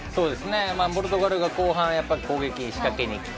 ポルトガルが後半攻撃、仕掛けに来た。